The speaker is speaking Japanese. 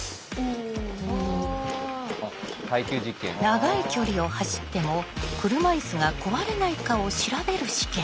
長い距離を走っても車いすが壊れないかを調べる試験。